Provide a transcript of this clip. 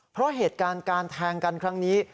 เพราะเหตุการณ์การแทงกันครั้งนี้